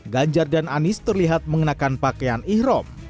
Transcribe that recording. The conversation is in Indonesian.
ganjar dan anies terlihat mengenakan pakaian ihrom